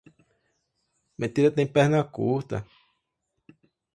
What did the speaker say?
Mentira tem perna curta.